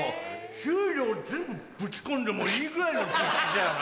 給料全部ぶち込んでもいいぐらいの感じだよな。